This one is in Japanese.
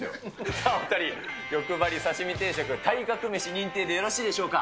さあお２人、よくばり刺身定食、体格メシ認定でよろしいでしょうか。